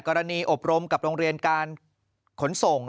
อบรมกับโรงเรียนการขนส่ง